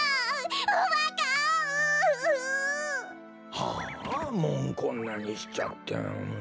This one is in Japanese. ああもうこんなにしちゃって。